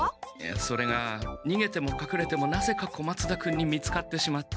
それがにげてもかくれてもなぜか小松田君に見つかってしまって。